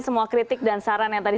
semua kritik dan saran yang tadi